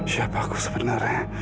siapa aku sebenarnya